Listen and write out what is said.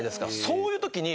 そういう時に。